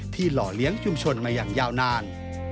หล่อเลี้ยงชุมชนมาอย่างยาวนาน